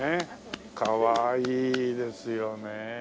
かわいいですよね。